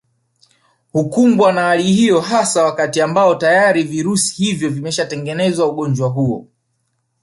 Hukumbwa na hali hiyo hasa wakati ambao tayari virusi hivyo vimeshatengeneza ugonjwa wenyewe